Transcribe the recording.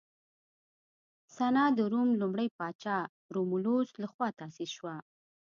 سنا د روم لومړي پاچا رومولوس لخوا تاسیس شوه